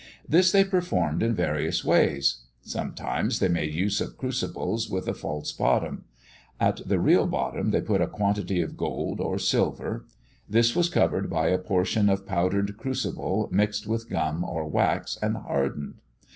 This they performed in various ways. Sometimes they made use of crucibles with a false bottom. At the real bottom, they put a quantity of gold or silver. This was covered by a portion of powdered crucible mixed with gum or wax, and hardened.